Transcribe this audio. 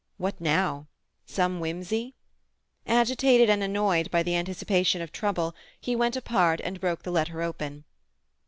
What now? Some whimsey? Agitated and annoyed by the anticipation of trouble, he went apart and broke the letter open.